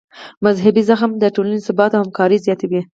مذهبي زغم د ټولنې ثبات او همکاري زیاتوي.